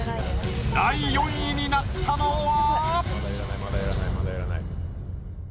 第４位になったのは？